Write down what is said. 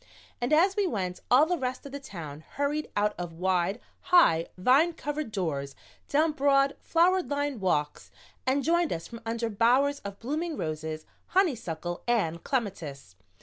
And as we went all the rest of the Town hurried out of wide, high, vine covered doors, down broad, flower lined walks, and joined us from under bowers of blooming roses, honeysuckle and clematis.